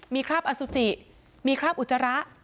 มีคราบอสุจิมีคราบอุจจาระ